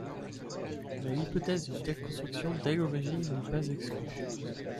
Mais l’hypothèse d’une telle construction dès l’origine n’est pas exclue.